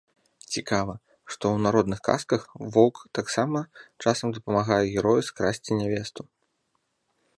Цікава, што ў народных казках воўк таксама часам дапамагае герою скрасці нявесту.